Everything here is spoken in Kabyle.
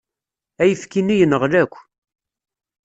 Ayefki-nni yenɣel akk.